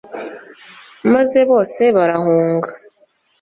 maze bose barahunga